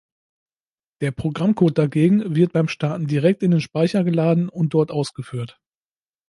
Der Programmcode dagegen wird beim Starten direkt in den Speicher geladen und dort ausgeführt.